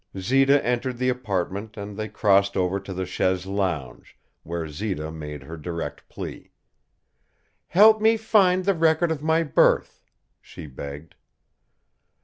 Zita entered the apartment and they crossed over to the chaise longue, where Zita made her direct plea. "Help me find the record of my birth," she begged.